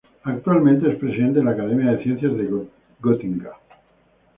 Actualmente es presidente de la Academia de Ciencias de Gotinga.